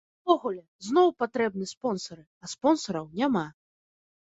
Увогуле, зноў патрэбны спонсары, а спонсараў няма!